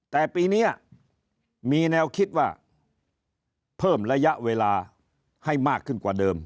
แต่ปีนี้มีแนวคิดว่าเพิ่มระยะเวลาให้มากขึ้นกว่าเดิม